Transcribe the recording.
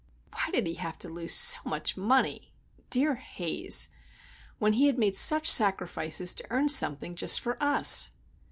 Why did he have to lose so much money,—dear Haze,—when he had made such sacrifices to earn something, just for us?